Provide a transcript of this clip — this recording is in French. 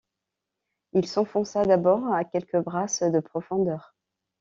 Il s’enfonça d’abord à quelques brasses de profondeur.